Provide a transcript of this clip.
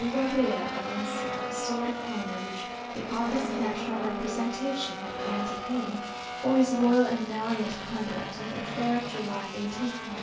Gabriel Valencia the sword of honour which the august national representation had granted him, for his loyal and valiant conduct in the affair of July of 1840.